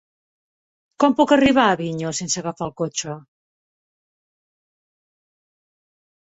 Com puc arribar a Avinyó sense agafar el cotxe?